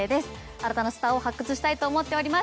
新たなスターを発掘したいと思っております。